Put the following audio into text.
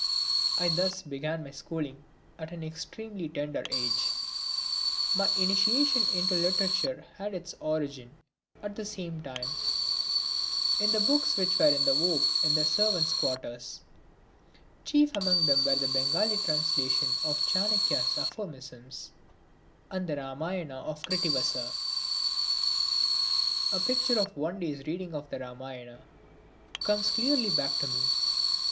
I thus began my schooling at an extremely tender age. My initiation into literature had its origin, at the same time, in the books which were in vogue in the servants' quarters. Chief among these were a Bengali translation of Chanakya's aphorisms, and the Ramayana of Krittivasa. A picture of one day's reading of the Ramayana comes clearly back to me.